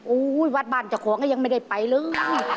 อุ๊ยวัดบาลจักรของยังไม่ได้ไปเลย